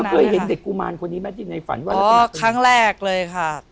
แล้วเคยเห็นเด็กกุมารคนนี้แม้ที่ในฝันว่าอ๋อครั้งแรกเลยค่ะ